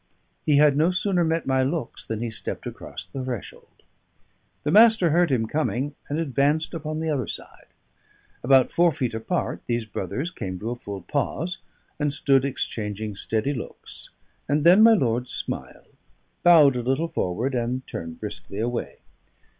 He had no sooner met my looks than he stepped across the threshold. The Master heard him coming, and advanced upon the other side; about four feet apart, these brothers came to a full pause, and stood exchanging steady looks, and then my lord smiled, bowed a little forward, and turned briskly away.